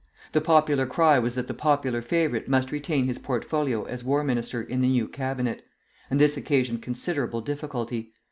The popular cry was that the popular favorite must retain his portfolio as War Minister in the new Cabinet; and this occasioned considerable difficulty.